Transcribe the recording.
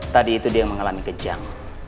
tadi itu dia yang mengalami kejang